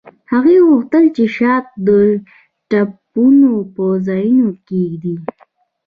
هغوی غوښتل چې شات د ټپونو په ځایونو کیږدي